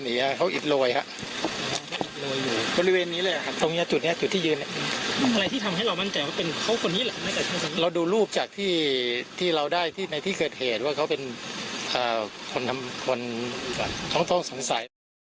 นี่อ่ะเขาอิดรวยคะบริเวณนี้เลยอ่ะตรงนี้จุดแหละทุกที่